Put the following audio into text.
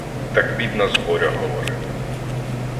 Так бідна з горя говорила